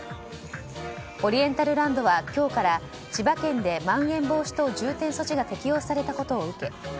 オリエンタルランドは今日から千葉県でまん延防止等重点措置が適用されたことを受け